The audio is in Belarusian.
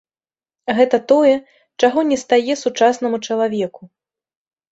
Гэта тое, чаго не стае сучаснаму чалавеку.